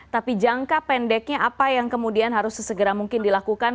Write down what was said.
tapi jangka pendeknya apa yang kemudian harus sesegera mungkin dilakukan